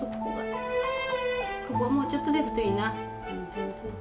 ここもうちょっと出るといいな。